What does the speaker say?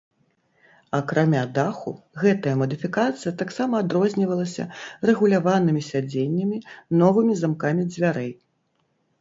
Акрамя даху, гэтая мадыфікацыя таксама адрознівалася рэгуляванымі сядзеннямі, новымі замкамі дзвярэй.